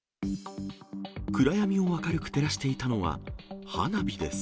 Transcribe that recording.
暗闇を明るく照らしていたのは花火です。